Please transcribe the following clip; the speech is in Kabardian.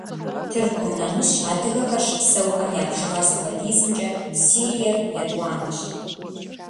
Тыркум нэмыщӀ адыгэхэр щыпсэухэм я бжыгъэр зыхуэдизымкӀэ Сириер етӀуанэщ.